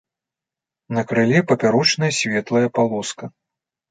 На крыле папярочная светлая палоска.